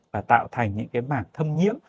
và tạo thành những cái mảng thâm nhiễm